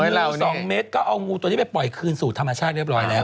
เออให้เราเนี่ยหนู๒เมตรก็เอางูตัวนี้ไปปล่อยคืนสู่ธรรมชาติเรียบร้อยแล้ว